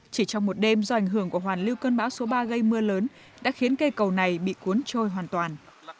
chỉ trong một đêm do ảnh hưởng của hoàn lưu cơn bão số ba gây mưa lớn đã khiến cây cầu này bị cuốn trôi hoàn toàn